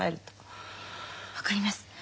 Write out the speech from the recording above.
分かります。